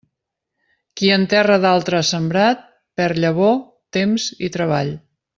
Qui en terra d'altre ha sembrat, perd llavor, temps i treball.